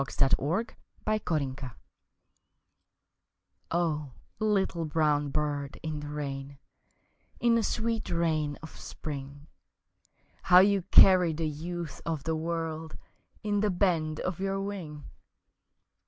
Little Brown Bird O LITTLE brown bird in the rain, In the sweet rain of spring, How you carry the youth of the world In the bend of your wing!